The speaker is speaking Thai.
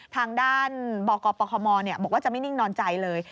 ทางด้านบกปคมบอกว่าจะไม่นิ่งนอนใจเลย